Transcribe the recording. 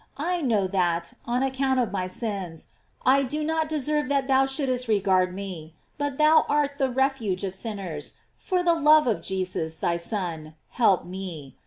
I know that, on account of my sins, I do not deserve that thou shouldst regard me; but thou art the refuge of sinners: for the love of Jesus, thy Son, help me.